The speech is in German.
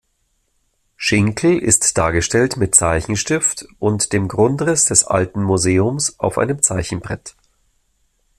Schinkel ist dargestellt mit Zeichenstift und dem Grundriss des Alten Museums auf einem Zeichenbrett.